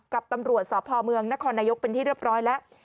กับตำรวจสพเมืองนครนายกเป็นที่เรียบร้อยแล้ว